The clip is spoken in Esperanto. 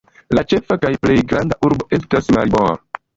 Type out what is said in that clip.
La ĉefa kaj plej granda urbo estas Maribor.